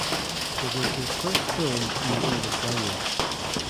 It is his first film in the English language.